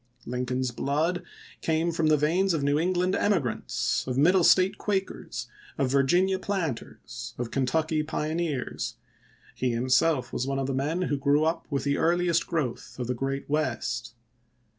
Lincoln's blood came from the veins of New England emigrants, of Middle State Quakers, of Virginia planters, of Kentucky pioneers; he himself was one of the men who grew up with the earliest growth of the Great West.